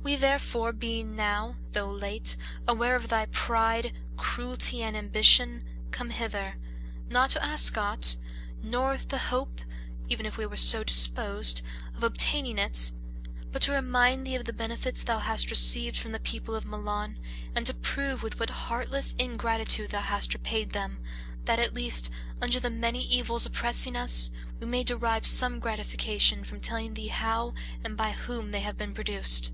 We, therefore, being now, though late, aware of thy pride, cruelty, and ambition, come hither, not to ask aught, nor with the hope, even if we were so disposed, of obtaining it, but to remind thee of the benefits thou hast received from the people of Milan, and to prove with what heartless ingratitude thou hast repaid them, that at least, under the many evils oppressing us, we may derive some gratification from telling thee how and by whom they have been produced.